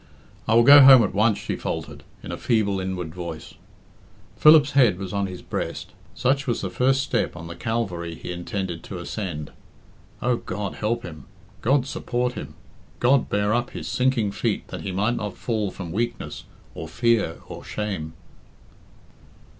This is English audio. "I will go home at once," she faltered, in a feeble inward voice. Philip's head was on his breast. Such was the first step on the Calvary he intended to ascend. O God, help him! God support him! God bear up his sinking feet that he might not fall from weakness, or fear, or shame.